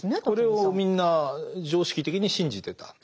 これをみんな常識的に信じてた。